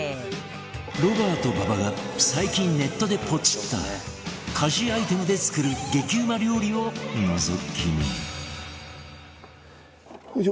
ロバート馬場が最近ネットでポチった家事アイテムで作る激うま料理をのぞき見よいしょ。